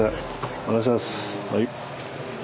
お願いします。